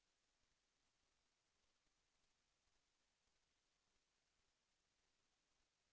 แสวได้ไงของเราก็เชียนนักอยู่ค่ะเป็นผู้ร่วมงานที่ดีมาก